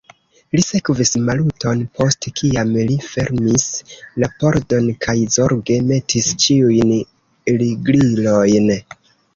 Li sekvis Maluton, post kiam li fermis la pordon kaj zorge metis ĉiujn riglilojn.